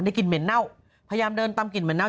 กลิ่นเหม็นเน่าพยายามเดินตามกลิ่นเหม็นเน่า